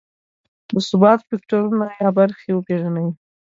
د ثبات فکټورونه یا برخې وپېژني.